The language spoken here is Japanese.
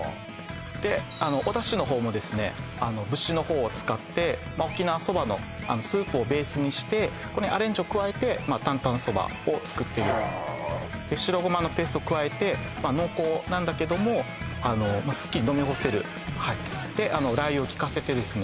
でおだしの方もですね節の方を使って沖縄そばのスープをベースにしてここにアレンジを加えて担々そばを作っているはあで白ごまのペーストを加えて濃厚なんだけどもすっきり飲み干せるでラー油をきかせてですね